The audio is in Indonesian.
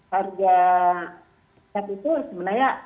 harga gap itu sebenarnya satu terobosan gitu